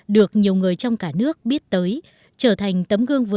được nhiều người trong cả nước biết tốt